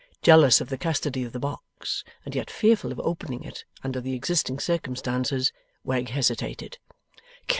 Jealous of the custody of the box, and yet fearful of opening it under the existing circumstances, Wegg hesitated.